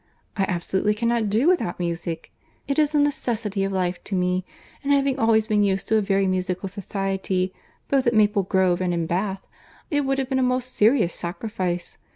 I absolutely cannot do without music. It is a necessary of life to me; and having always been used to a very musical society, both at Maple Grove and in Bath, it would have been a most serious sacrifice.